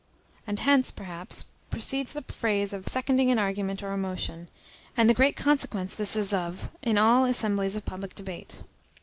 And hence, perhaps, proceeds the phrase of seconding an argument or a motion, and the great consequence this is of in all assemblies of public debate.